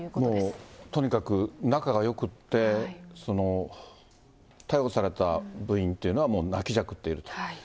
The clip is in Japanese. もう、とにかく仲がよくって、逮捕された部員というのは、もう泣きじゃくっていると。